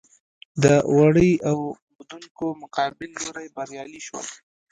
د وړۍ اوبدونکو مقابل لوری بریالي شول.